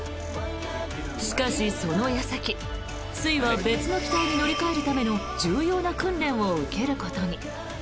しかしその矢先、粋は別の機体に乗り換えるための重要な訓練を受けることに。